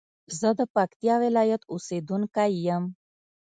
زه د پکتيا ولايت اوسېدونکى يم.